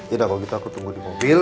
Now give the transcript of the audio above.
yaudah kalau gitu aku tunggu di mobil